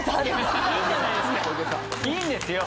いいんですよ。